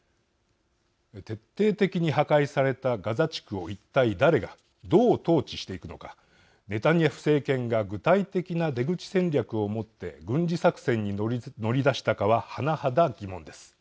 徹底的に破壊されたガザ地区を一体、誰がどう統治していくのかネタニヤフ政権が具体的な出口戦略を持って軍事作戦に乗り出したかは甚だ疑問です。